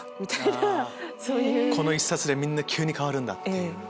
この１冊でみんな急に変わるんだっていう。